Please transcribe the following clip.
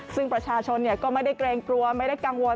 ซึ่งประชาชนก็ไม่ได้เกรงกลัวไม่ได้กังวล